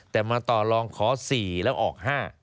แต่มาต่อลองขอ๔แล้วออก๕